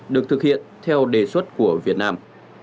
được thực hiện theo đề xuất của việt nam